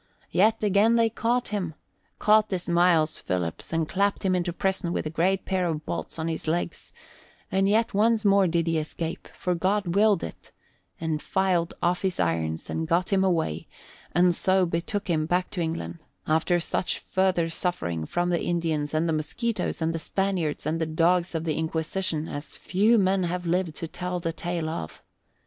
Yet again they caught him caught this Miles Philips and clapped him into prison with a great pair of bolts on his legs; and yet once more did he escape, for God willed it, and filed off his irons and got him away and so betook him back to England after such further suffering from the Indians and the mosquitoes and the Spaniards and the dogs of the Inquisition as few men have lived to tell the tale of.